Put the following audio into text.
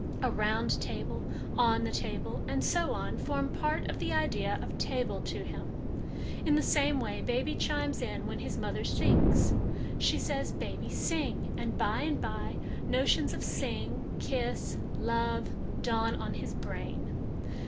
' A round table,' ' on the table,' and so on, form part of the idea of 'table' to him. In the same way baby chimes in when his mother sings. She says, ' Baby, sing,' and, by and by, notions of * sing/ ' kiss/ ' love/ dawn on his brain."